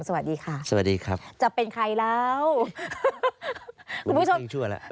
สวัสดีค่ะจะเป็นใครแล้วคุณผู้ชมยังชั่วแล้ว